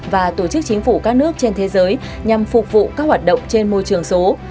và tổ chức chính phủ các nước trên thế giới nhằm phục vụ các hoạt động trên môi trường số